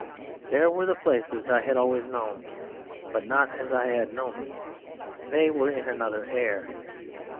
There were the places I had always known, but not as I had known them: they were in another air.